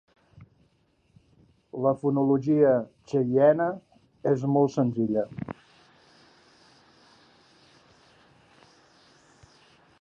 La fonologia xeiene és molt senzilla.